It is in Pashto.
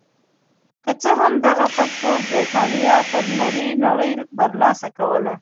که څه هم دغه فکټور برېتانیا پر نورې نړۍ برلاسې کوله.